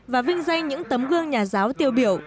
và vinh danh những tấm gương nhà giáo tiêu biểu